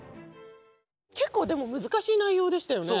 結構でも難しい内容でしたよね。